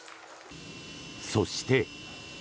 そして。